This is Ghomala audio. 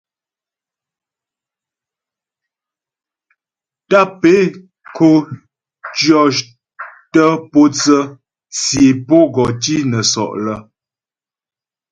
Tàp é ko cyɔtə pǒtsə tsyé pǒ gɔ nə́ sɔ' lə́.